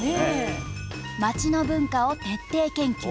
街の文化を徹底研究。